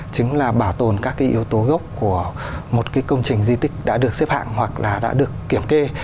chính là bảo tồn các cái yếu tố gốc của một cái công trình di tích đã được xếp hạng hoặc là đã được kiểm kê